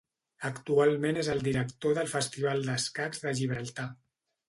Actualment és el director del Festival d'escacs de Gibraltar.